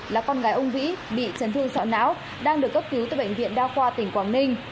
là con gái ông vĩ bị chấn thương sọ não đang được cấp cứu tại bệnh viện đa khoa tỉnh quảng ninh